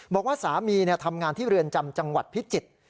บอกว่าสามีทำงานที่เรือนจำจังหวัดพิจิตร